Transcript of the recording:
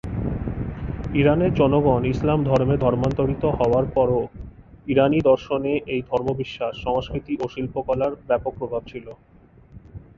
ইরানের জনগণ ইসলাম ধর্মে ধর্মান্তরিত হওয়ার পরও ইরানি দর্শনে এই ধর্মবিশ্বাস, সংস্কৃতি ও শিল্পকলার ব্যাপক প্রভাব ছিল।